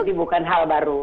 jadi bukan hal baru